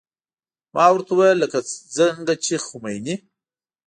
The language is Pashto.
ما ورته وويل لکه څنګه چې خميني.